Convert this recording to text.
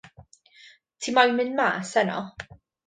Ti moyn mynd mas heno?